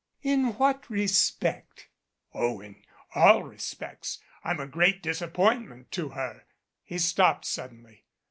"In what respect?" "Oh, in all respects. I'm a great disappointment to her " He stopped suddenly.